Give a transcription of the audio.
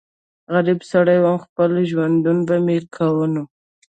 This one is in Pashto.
غريب سړی ووم خپل ژوندون به مې کوونه